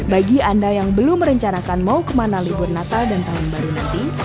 bagi anda yang belum merencanakan mau kemana libur natal dan tahun baru nanti